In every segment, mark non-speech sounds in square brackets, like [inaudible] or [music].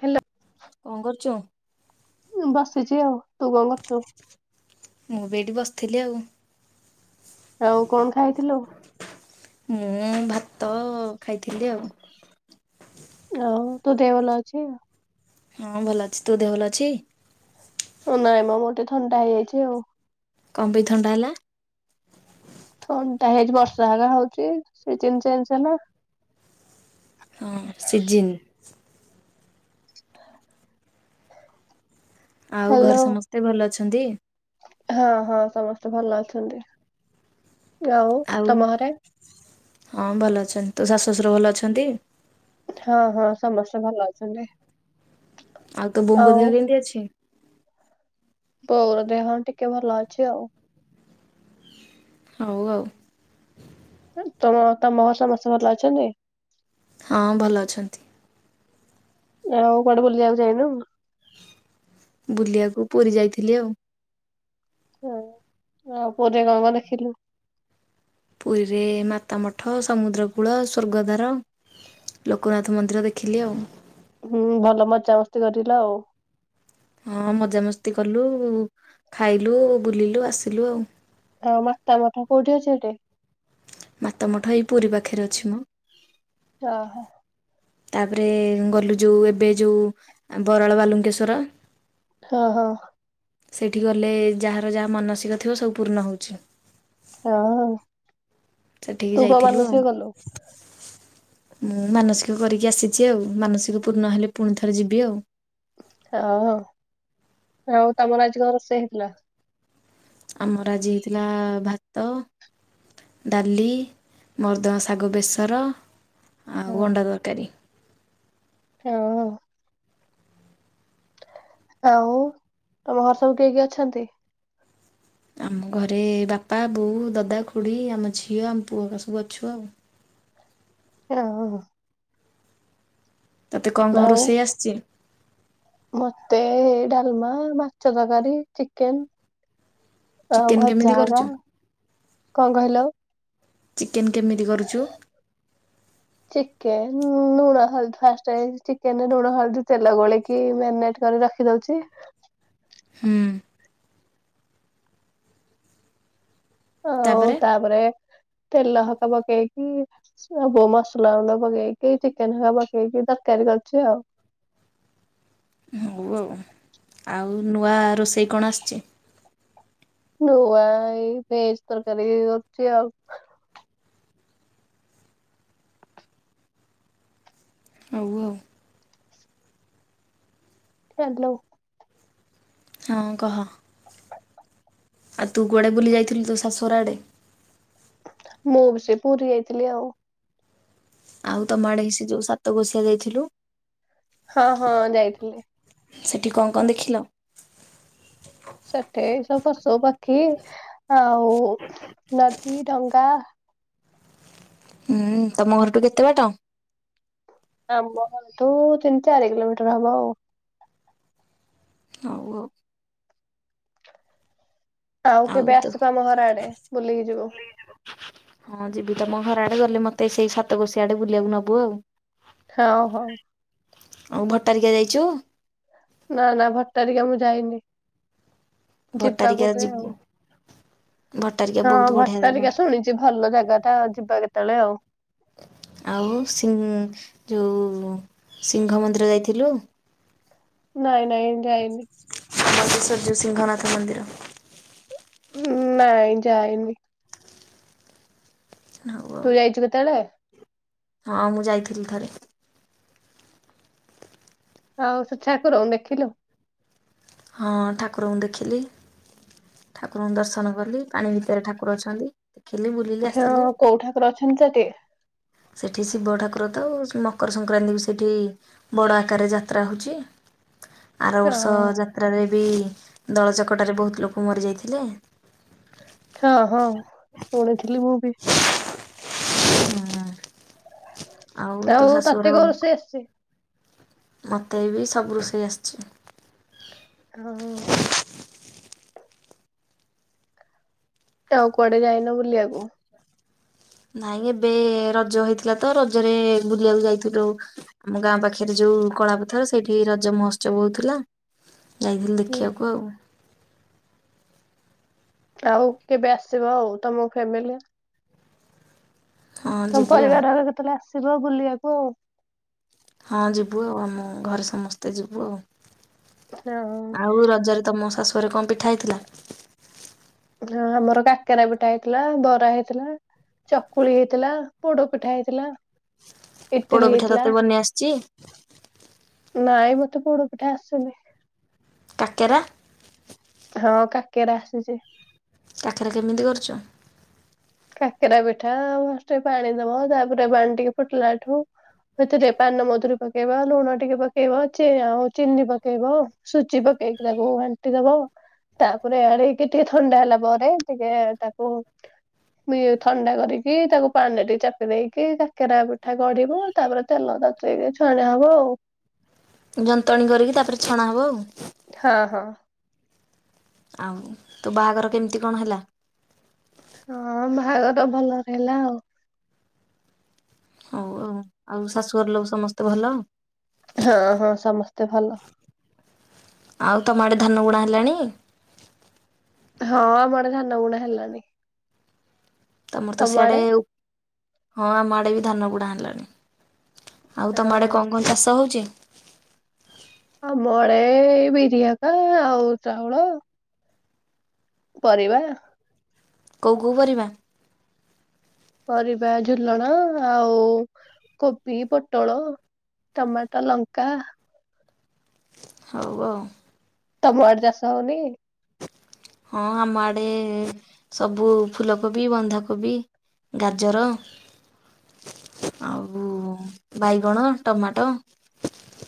Hello. କଣ କରୁଚୁଁ? ବସିଚି ଆଉ, ତୁ କଣ କରୁଚୁ? ମୁଁ ବି ଏଇଠି ବସିଥିଲି ଆଉ। ଆଉ କଣ ଖାଇଥିଲୁ? ମୁଁ ଭାତ ଖାଇଥିଲି ଆଉ। ଆଉ ତୋ ଦେହ ଭଲ ଅଛି? ହଁ ଭଲ ଅଛି, ତୋ ଦେହ ଭଲ ଅଛି? ଓ ନାଇଁ ମ ମୋ ଟେ ଥଣ୍ଡା ହେଇଯାଇଛି ଆଉ। କଁ ପାଇଁ ଥଣ୍ଡା ହେଲା? ଥଣ୍ଡା ହେଇଛି ବର୍ଷା ହୋଗା ହଉଛି ସିଜିନ ଚେଞ୍ଜ ହେଲା। ହଁ ସିଜିିନ ଆଉ ହ୍ୟାଲୋ। ଘରେ ସମସ୍ତେ ଭଲ ଅଛନ୍ତି? ହଁ ହଁ ସମସ୍ତେ ଭଲ ଅଛନ୍ତି, ଆଉ ଆଉ ତମ ଘରେ? ହଁ ଭଲ ଅଛନ୍ତି, ତୋ ଶାଶୁ ଶଶୁର ଭଲ ଅଛନ୍ତି? ହଁ ହଁ ସମସ୍ତେ ଭଲ ଅଛନ୍ତି। ଆଉ ତୋ ବୋଉଙ୍କ ଦେହ କେମିତି ଅଛି? ବୋଉର ଦେହ ଟିକେ ଭଲ ଅଛି ଆଉ। ହଉ ଆଉ। ତମ ତ ମହ ସମସ୍ତେ ଭଲ ଅଛନ୍ତି? ହଁ ଭଲ ଅଛନ୍ତି। ଆଉ କୁଆଡେ ବୁଲିଆକୁ ଯାଇନୁ? ବୁଲିଆକୁ ପୁରୀ ଯାଇଥିଲି ଆଉ। ହଁ ଆଉ ପୁରୀରେ କଣ କଣ ଦେଖିଲୁ? ପୁରୀରେ ମାତାମଠ ସମୁଦ୍ର କୂଳ ସ୍ୱର୍ଗଦ୍ବାର। ଲୋକନାଥ ମନ୍ଦିର ଦେଖିଲି ଆଉ। ହୁଁ ଭଲ ମଜାମସ୍ତି କରିଲ ଆଉ। ହଁ ମଜାମସ୍ତି କଲୁ ଖାଇଲୁ ବୁଲିଲୁ ଆସିଲୁ ଆଉ। ଆଉ ମାତା ମଠ କୋଉଠି ଅଛନ୍ତି? ମାତାମଠ ଏଇ ପୁରୀ ପାଖରେ ଅଛି ମଁ। ଓହୋ। ତାପରେ ଗଲୁ ଯୋଉ ଏବେ ଯୋଉ ବରାଳ ବାଲୁଙ୍କେଶ୍ଵର। ହଁ ହଁ। ସେଇଠି ଗଲେ ଯାହାର ଯାହା ମାନସିକ ଥିବ ସବୁ ପୂର୍ଣ୍ଣ ହେଉଛି। ହ ଆଉ। ସେଠିକି ଯାଇଥିଲୁ ଆଉ। କଲୁ ମୁଁ ମାନସିକ କରିକି ଆସିଛି ଆଉ ମାନସିକ ପୂର୍ଣ ହେଲେ ପୁଣି ଥରେ ଯିବି ଆଉ। ହଁ ଆଉ ତମର ଆଜି ଘ ରୋଷେଇ ହେଇଥିଲା? ଆମର ଆଜି ହେଇଥିଲା ଭାତ। ଡାଲି, ମର୍ଦଙ୍ଗା ଶାଗ, ବେସର ହଁ ଆଉ ଅଣ୍ଡା ତରକାରୀ। ହଁ। ଆଉ ତମ ଘର ସବୁ କିଏ କିଏ ଅଛନ୍ତି? ଆମ ଘରେ ବାପା, ବୋଉ, ଦାଦା, ଖୁଡ଼ି ଆମ ଝିଅ ଆମ ପୁଅ ହକ ସବୁ ଅଛୁ ଆଉ। ଯା ହଉ। ତତେ କଣ କଣ ଆଉ ରୋଷେଇ ଆସିଛି? ମତେ ଡାଲମା, ମାଛ ତରକାରୀ, ଚିକେନ। ଅ ଚିକେନ୍ କେମିତି ଭଜା ହାଗା କରୁଛୁ କଣ କହିଲ? ଚିକେନ୍ କେମିତି କରୁଛୁ? ଚିକେନ ଲୁଣ ହଳଦୀ ଫାଷ୍ଟେ ଚିକେନରେ ଲୁଣ ହଳଦୀ ତେଲ ଗୋଳିକି ମ୍ୟାରନେଟ୍ କରିକି ର ରଖି ଦଉଛି ହୁଁ। ଆଉ ତାପରେ ତେଲ ହକା ପକେଇକି ସବୁ ମସଲା ଗୁଣ୍ଡ ପକେଇକି ଚିକେନ ପକେଇକି ତରକାରୀ କରିଚୁ ଆଉ। ହଉ ଆଉ ଆଉ ନୂଆ ରୋଷେଇ କଣ ଆସିଛି? ନୂଆ ଏଇ ଭେଜ ତରକାରୀ କରିଛି ଆଉ। ଆଉ ଆଉ। ୟାଲୋ। ହଁ କହ। ଆଉ ତୁ କୁଆଡ଼େ ବୁଲି ଯାଇଥିଲୁ ତୋ ଶାଶୁହର ଆଡ଼େ? ମୁଁ ବି ସେ ପୁରୀ ଯାଇଥିଲି ଆଉ। ଆଉ ତମ ଆଡେ ସେ ଯୋଉ ସାତ କୋଷିଆ ଯାଇଥିଲୁ? ହଁ ହଁ ଯାଇଥିଲି। ସେଠି କ କ ଦେଖିଲ? ସେଠି ଏ ସବୁ ପଶୁପକ୍ଷୀ ଆଉ ନଦୀ, ଡଙ୍ଗା। ହୁଁ ତମ ଘରଠୁ କେତେ ବାଟ? ଆମ ଘରଠୁ ତିନି ଚାରି କିଲୋମିଟର ହବ ଆଉ। ହଉ ଆଉ। ଆଉ କେବେ ଆସିବ ଆମ ଘର ଆଡେ ବୁଲିକି ଯିବୁ। ହଁ ଯିବି ତମ ଘର ଆଡେ ଗଲେ ମତେ ସେଇ ସାତକୋଷିଆଡେ ବୁଲିବାକୁ ନବୁ ଆଉ। ହଁ ହଉ। ଆଉ ଭଟାରିକା ଯାଇଛୁ? ନା ନା ଭଟାରିକା ମୁଁ ଯାଇନି। ଯିବା ଭଟ୍ଟାରିକା କେବେ ଆଉ ଯିବୁ ଭଟ୍ଟାରିକା ବହୁତ ହଁ ବଢ଼ିଆ ଜାଗା ଭଟାରିକା ଶୁଣିଚି ଯେ ଭଲ ଜାଗା ଟା ଯିବା କେତେବେଳେ ଆଉ। ଆଉ ସିଂ ଯୋଉ ସିଂହ ମନ୍ଦିର ଯାଇଥିଲୁ? ନାଇଁ ନାଇଁ ଯାଇନି। [unintelligible] ଜଉ ସିଂହନାଥ ମନ୍ଦିର। ଉଁ ନାଇଁ ଯାଇନି। ହଉ। ଆଉ ତୁ ଯାଇଛୁ କେତେବେଳେ? ହଁ ମୁଁ ଯାଇଥିଲି ଥରେ। ଆଉ ସେ ଠାକୁରଙ୍କୁ ଦେଖିଲୁ? ହଁ ଠାକୁରଙ୍କୁ ଦେଖିଲି। ଠାକୁରଙ୍କୁ ଦର୍ଶନ କଲି ପାଣି ଭିତରେ ଠାକୁର ଅଛନ୍ତି। ଦେଖିଲି ବୁଲିଲି ହେଠି ଆସିଲି। ଅ କୋଉ ଠାକୁର ଅଛନ୍ତି ସେଠି? ସେଠି ଶିବ ଠାକୁର ତ ଆଉ ମକର ସଂକ୍ରାନ୍ତି ବି ସେଠି ବଡ଼ ଆକାରରେ ଯାତ୍ରା ହେଉଛି। ଆର ଅ ବର୍ଷ ଯାତ୍ରାରେ ବି ଦଳା ଚକଟାରେ ବହୁତ ଲୋକ ମରି ଯାଇଥିଲେ। ହଁ ହଁ ଶୁଣିଥିଲି ମୁଁ ବି। ହୁଁ ତୋ ଆଉ ଶାଶୁଘର ତତେ କଣ ରୋଷେଇ ଆସିଛି? ମୋତେ ବି ସବୁ ରୋଷେଇ ଆସିଛି। ଆଉ କି ଆଉ କୁଆଡେ ଯାଇନ ବୁଲିବାକୁ? ନାଇଁ ଏବେ ରଜ ହେଇଥିଲା ତ ରଜରେ ବୁଲିବାକୁ ଯାଇଥିଲୁ। ଆମ ଗାଁ ପାଖରେ ଯୋଉ କଳାପଥର ସେଇଠି ରଜ ମହୋତ୍ସବ ହଉଥିଲା। ଯାଇଥିଲି ହୁଁ ଦେଖିବାକୁ ଆଉ। ଆଉ କେବେ ଆସିବ ଆଉ ତମ ଫ୍ୟାମିଲି। ଆଉ ହଁ ତମ ଯିବି ଆଉ ପରିବାର ଘର କେତେବେଳେ ଆସିବ ବୁଲିବାକୁ ଆଉ। ହଁ ଯିବୁ ଆଉ ଆମ ଘରେ ସମସ୍ତେ ଯିବୁ ଆଉ। ଆଉ ଆଉ ରଜରେ ତମ ଶାଶୁଘରେ କଣ ପିଠା ହେଇଥିଲା? ହଁ ଆମର କାକେରା ପିଠା ହେଇଥିଲା ବରା ହେଇଥିଲା। ଚକୁଳି ହେଇଥିଲା ପୋଡ ପିଠା ହେଇଥିଲା। ଇଟିଲି ପୋଡପିଠା ହେଇଥିଲା ତତେ ବନେଇ ଆସିଛି ନାଇଁ ମତେ ପୋଡ ପିଠା ଆସେନି। କାକେରା? ହଁ କାକେରା ଆସିଚି। କାକେରା କେମିତି କରୁଛ। କାକେରା ପିଠା ଆଉ ଫାଷ୍ଟ ପାଣି ଦବ। ତାପରେ ପାଣି ଟିକେ ଫୁଟିଲାଠୁ। ସେଥିରେ ପାନମଧୁରୀ ପକେଇବ ଲୁଣ ଟିକେ ପକେଇବ ଚେ ଆଉ ଚିନି ପକେଇବ। ସୁଚି ପକେଇକି ତାକୁ ଘାଣ୍ଟି ଦବ। ତାପରେ ଆଣିକି ଟିକେ ଥଣ୍ଡା ହେଲା ପରେ ଟିକେ ତାକୁ। ଇଏ ଥଣ୍ଡା କରିକି ତାକୁ ପାଣିରେ ଚାପି ଦେଇକି କାକେରା ପିଠା ଗଢିବ। ତାପରେ ତେଲ ତତେଇକି ଛଣାହବ ଆଉ। ଯନ୍ତଣୀ କରିକି ତାପରେ ଛଣା ହବ ଆଉ। ହଁ ହଁ। ଆଉ ତୋ ବାହାଘର କେମିତି କଣ ହେଲା? ହଁ ବାହାଘର ଭଲରେ ହେଲା ଆଉ। ହଉ ଆଉ ଆଉ ଶାଶୁଘର ଲୋକ ସମସ୍ତେ ଭଲ। ହଁ ହଁ ସମସ୍ତେ ଭଲ। ଆଉ ତମ ଆଡ଼େ ଧାନ ବୁଣା ହେଲାଣି। ହଁ ଆମ ଆଡେ ଧାନ ବୁଣା ହେଲାଣି। ତମର ତ ତମ ସିଆଡେ ଆଡେ ଉପ ହଁ ଆମ ଆଡେ ବି ଧାନ ବୁଣା ହେଲାଣି। ଆଉ ହଁ ତମ ଆଡେ କଣ କଣ ଚାଷ ହଉଛି। ଆମ ଆଡେ ବିରି ହକା ଆଉ ଚାଉଳ। ପରିବା। କୋଉ କୋଉ ପରିବା। ପରିବା ଝୁଲଣା ଆଉ କୋବି ପୋଟଳ। ଟମାଟୋ ଲଙ୍କା। ହଉ ଆଉ। ତମ ଆଡେ ଚାଷ ହଉନି କି। ହଁ ଆମ ଆଡେ ସବୁ ଫୁଲକୋବି, ବନ୍ଧାକୋବି। ଗାଜର ଆଉ ବାଇଗଣ, ଟମାଟୋ।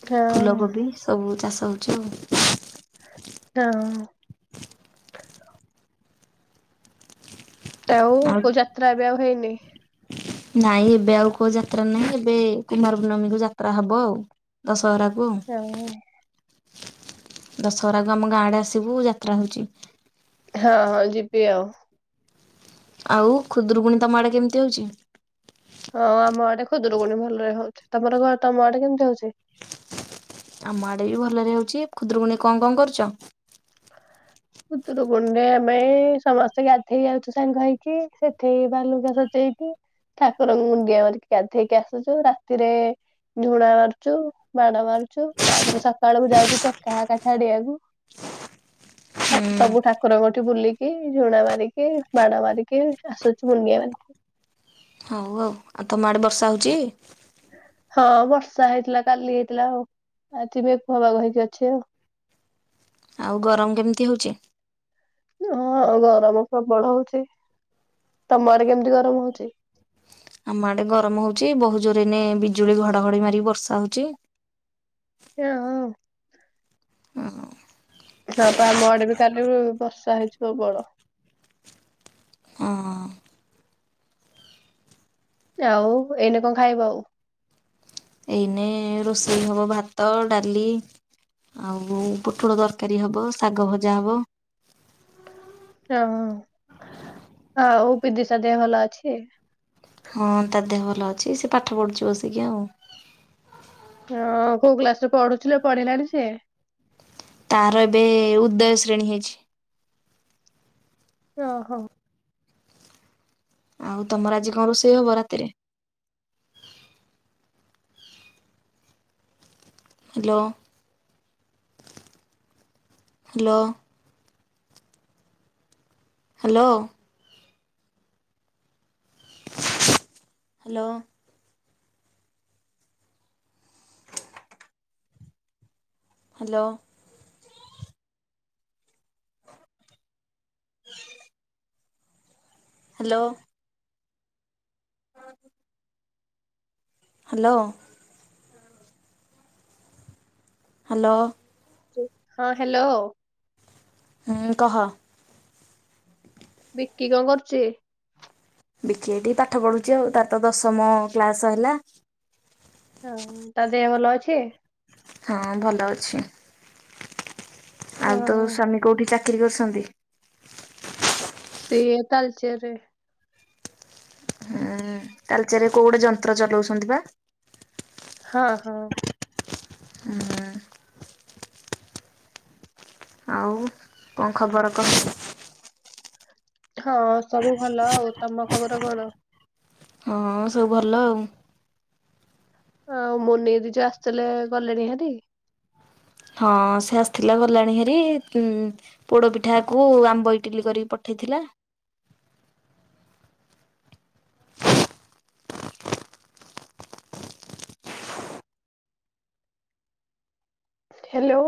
ହଁ ଫୁଲକୋବି ସବୁ ଚାଷ ଉଛି ଆଉ। ହଁ। ଆଉ କୋଉ ଯାତ୍ରା ଏବେ ଆଉ ହେଇନି। ନାଇଁ ଏବେ ଆଉ କୋଉ ଯାତ୍ରା ନାହିଁ ଏବେ କୁମାର ପୂର୍ଣମୀ କୁ ଯାତ୍ରା ହବ ଆଉ। ଦଶହରାକୁ। ହଁ। ଦଶହରାକୁ ଆମ ଗାଁଡ଼େ ଆସିବୁ ଯାତ୍ରା ହଉଛି। ହଁ ହଁ ଯିବି ଆଉ। ଆଉ ଖୁଦରୁକୁଣି ତମ ଆଡ଼େ କେମିତି ହେଉଛି। ହଁ ଆମ ଆଡେ ଖୁଦରୁକୁୁଣୀ ଭଲରେ ହଉଛି। ତମର ବା ତମ ଆଡେ କେମିତି ହଉଛି। ଆମ ଆଡେ ବି ଭଲରେ ହଉଛି ଖୁଦୁରୁ କୁଣୀ କଁ କଁ କରୁଛ। ଖୁଦୁରୁକୁଣି ରେ ଆମେ ସମସ୍ତେ ଗାଧେଇ ଯାଉଛୁ ସାଙ୍ଗ ହେଇକି ସେଠେଇ ବାଲୁକା ସଜେଇକି। ଠାକୁରଙ୍କୁ ମୁଣ୍ଡିଆ ମାରିକି ଗାଧେଇକି ଆସୁଛୁ ରାତିରେ। ଝୁଣା ମାରୁଚୁ ବାଣ ମାରୁଚୁ ତାପରେ ସକାଳକୁୁ ଯାଉଚୁ ଚେକା ହାକା ଛାଡିବାକୁ। ଠାକ୍ ହୁଁ ସବୁ ଠାକୁରଙ୍କଠି ବୁଲିକି ଝୁଣା ମାରିକି ବାଣ ମାରିକି ଆସୁଛୁ ମୁଣ୍ଡିଆ ମାରିକି। ହଉ ଆଉ ଆଉ ତମ ଆଡେ ବର୍ଷା ହଉଚି। ହଁ ବର୍ଷା ହେଇଥିଲା କାଲି ହେଇଥିଲା ଆଉ ଆଜି ବି ମେଘୁଆ ପାଗ ହେଇକି ଅଛି ଆଉ। ଆଉ ଗରମ କେମିତି ହଉଛି। ହଁ ଗରମ ପ୍ରବଳ ହଉଛି ତମ ଆଡେ କେମିତି ଗରମ ହଉଛି। ଆମ ଆଡେ ଗରମ ହଉଛି ବହୁ ଜୋରେ ଏଇନେ ବିଜୁଳି ଘଡଘଡି ମାରି କି ବର୍ଷା ହଉଛି। [inaudible] ଉଁ। ହଁପା ଆମ ଆଡେ ବି କାଲି ବର୍ଷା ହେଇଛି ପ୍ରବଳ। ହଁ। ଆଉ ଏଇନେ କଣ ଖାଇବ ଆଉ? ଏଇନେ ରୋଷେଇ ହବ ଭାତ ଡାଲି ଆଉ ବୋଉ ପୋଟଳ ତରକାରୀ ହବ ଶାଗ ଭଜା ହବ। ଯ‌ଉଁ ଆଉ ବିିଦିଶା ଦେହ ଭଲ ଅଛି? ହଁ ତା ଦେହ ଭଲ ଅଛି। ସେ ପାଠ ପଢ଼ୁଛି ବସିକି ଆଉ। ହଁ କୋଉ କ୍ଲାସ ରେ ପଢୁଚି ପଢିଲାଣି ସିଏ? ତାର ଏବେ ଉଦୟ ଶ୍ରେଣୀ ହେଇଛି। ଓହୋ। ଆଉ ତମର ଆଜି କଣ ରୋଷେଇ ହବ ରାତିରେ? Hello hello. Hello. Hello. Hello. Hello. [unintelligible] Hello. Hello. ଉଁ ହଁ ହାଲୋ। ହୁଁ କହ। ବିକି କଣ କରୁଚି? ବିକି ଏଇଠି ପାଠ ପଢୁଛି ଆଉ ତ ତ ଦଶମ କ୍ଲାସ ସରିଲା। ହଁ ତା ଦେହ ଭଲ ଅଛି? ହଁ ଭଲ ଅଛି। ଆଉ ତୋ ହଁ ସ୍ଵାମୀ କୋଉଠି ଚାକିରି କରୁଛନ୍ତି? ସେଇ ତାଳଚେରେ। ହଁ। ତାଳଚେରରେ କୋଉ ଗୋଟେ ଯନ୍ତ୍ର ଚଲାଉଛନ୍ତି ବା। ହଁ ହଁ। ହୁଁ। ଆଉ କଣ ଖବର କଣ? ହଁ ସବୁ ଭଲ ଆଉ ତମ ଖବର କଣ? ହଁ ସବୁ ଭଲ ଆଉ। ଆଉ ମୁନି ଦିଜ ଆସିଥିଲେ ଗଲେଣି ହାରି। ହଁ ସେ ଆସିଥିଲା ଗଲାଣି ହେରି ଉଁ ପୋଡ଼ ପିଠାକୁ ଆମ୍ବ ଇଟିଲି କରିକି ପଠେଇଥିଲା। ହ୍ୟାଲୋ।